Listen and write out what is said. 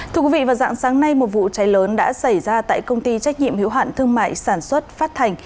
thưa quý vị vào dạng sáng nay một vụ cháy lớn đã xảy ra tại công ty trách nhiệm hiệu hạn thương mại sản xuất phát thành